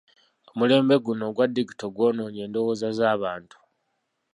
Omulembe guno ogwa digito gwonoonye endowooza z'abantu.